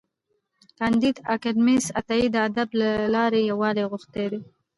کانديد اکاډميسن عطایي د ادب له لارې یووالی غوښتی دی.